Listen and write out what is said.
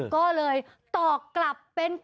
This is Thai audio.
ก็เลยตอบกลับเป็น